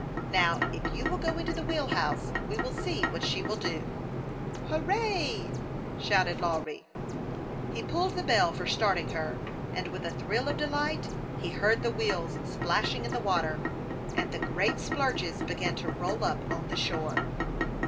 Xow, if you will go into the wheel house, we will see what she will do." " Hurrah !" shouted Lawry, as he rushed forward to take his position. He pulled the bell for starting her, and with a thrill of delight, he heard the wheels splashing in the water ; and great splurges began to roll up on the shore.